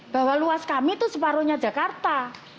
bahwa luas kami itu separuhnya jakarta